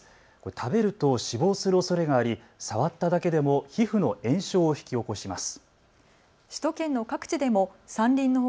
食べると死亡するおそれがあり触っただけでも皮膚の炎症を引き起こします。